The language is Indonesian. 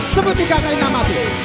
seperti kakak yang amat